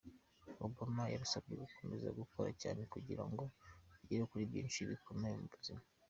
Obama yarusabye gukomeza gukora cyane kugira ngo rugere kuri byinshi bikomeye mu buzima.